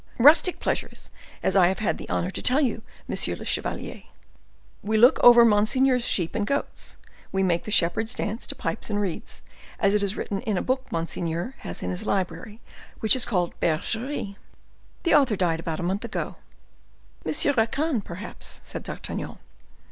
"Rustic pleasures, as I have had the honor to tell you, monsieur le chevalier. We look over monseigneur's sheep and goats; we make the shepherds dance to pipes and reeds, as is written in a book monseigneur has in his library, which is called 'Bergeries.' The author died about a month ago." "Monsieur Racan, perhaps," said D'Artagnan.